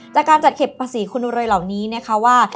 จากการจัดเก็บภาษีคุณเรยเหล่านี้นะคะว่า